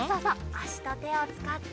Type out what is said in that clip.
あしとてをつかって。